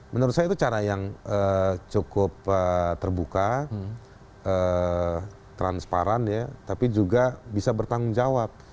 menurut saya itu cara yang cukup terbuka transparan tapi juga bisa bertanggung jawab